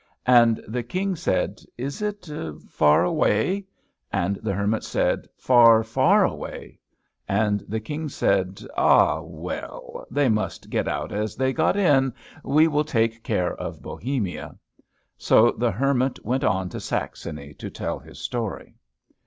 And the King said, "Is it far away?" And the Hermit said, "Far, far away." And the King said, "Ah, well, they must get out as they got in. We will take care of Bohemia." So the Hermit went on to Saxony, to tell his story.